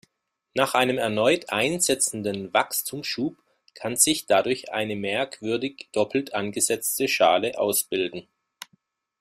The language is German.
Nach einem erneut einsetzenden Wachstumsschub kann sich dadurch eine merkwürdig doppelt angesetzte Schale ausbilden.